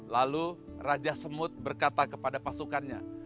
lalu raja semut berkata kepada pasukannya